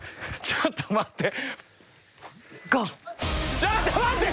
ちょっと待ってって！